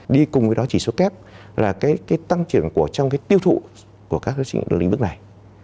đi cùng với đó chỉ số kép là cái tăng trưởng trong tiêu thụ của các lĩnh vực này